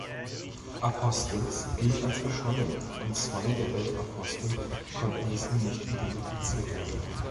Apostels gilt als verschollen, und zwei der elf Apostel konnten bisher nicht identifiziert werden.